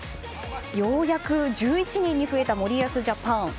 ようやく１１人に増えた森保ジャパン。